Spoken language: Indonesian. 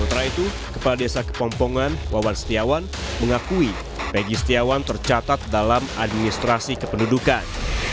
sementara itu kepala desa kepompongan wawan setiawan mengakui pegi setiawan tercatat dalam administrasi kependudukan